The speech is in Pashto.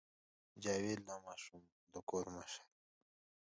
جاوید لا ماشوم و خو د کور مشر و